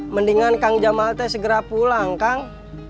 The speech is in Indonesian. mendingan kang jamal teh segera pulang kang